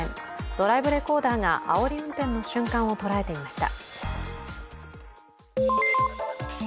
ドライブレコーダーがあおり運転の瞬間を捉えていました。